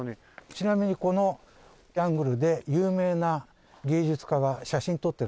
ちなみにこのアングルで有名な芸術家が写真撮ってるんですよ。